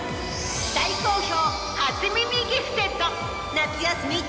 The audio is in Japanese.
大好評。